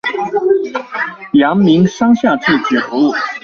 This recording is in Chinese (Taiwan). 陽明山下智久